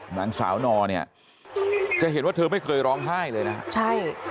หลังสาวนอนนี้จะเห็นว่าเธอไม่เคยร้องไห้เลยนะ